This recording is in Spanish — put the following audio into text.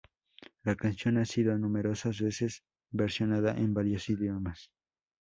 La canción ha sido numerosas veces versionada en varios idiomas.